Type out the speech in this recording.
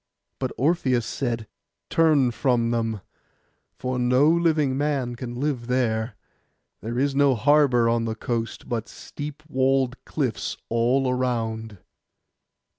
But Orpheus said, 'Turn from them, for no living man can land there: there is no harbour on the coast, but steep walled cliffs all round.